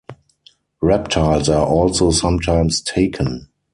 Reptiles are also sometimes taken.